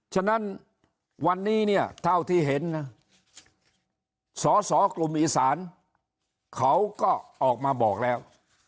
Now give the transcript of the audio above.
ฉะนั้นวันนี้เนี่ยเท่าที่เห็นนะสอสอกลุ่มอีสานเขาก็ออกมาบอกแล้ว